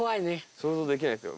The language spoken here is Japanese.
想像できないですよ。